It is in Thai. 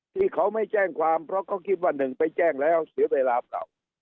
ที่เขาไม่แจ้งความเพราะเขาคิดว่าหนึ่งไปแจ้งแล้วเสียเวลาเปล่า